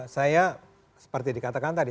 saya seperti dikatakan tadi